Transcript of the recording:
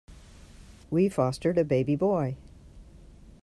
We fostered a baby boy.